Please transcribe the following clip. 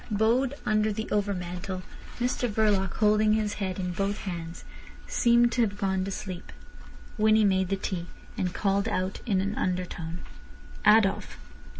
Bowed under the overmantel, Mr Verloc, holding his head in both hands, seemed to have gone to sleep. Winnie made the tea, and called out in an undertone: "Adolf."